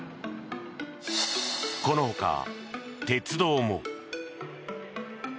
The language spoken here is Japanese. このほか、鉄道も。